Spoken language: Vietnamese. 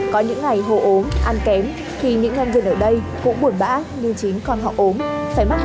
có những ngày hổ ốm ăn kém thì những nhân viên ở đây cũng buồn bã như chính con họ ốm